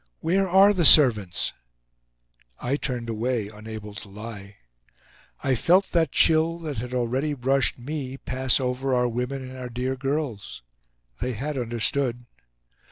"Where are the servants?" I turned away, unable to lie. I felt that chill that had already brushed me pass over our women and our dear girls. They had understood.